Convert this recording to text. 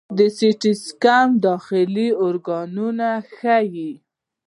د سی ټي سکین داخلي ارګانونه ښيي.